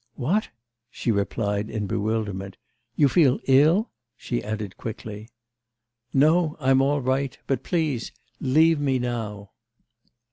'What?' she replied in bewilderment 'You feel ill?' she added quickly. 'No... I'm all right... but, please, leave me now.